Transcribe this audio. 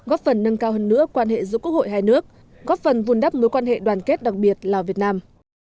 góp phần nâng cao hơn nữa quan hệ giữa quốc hội hai nước góp phần vùn đắp mối quan hệ đoàn kết đặc biệt lào việt nam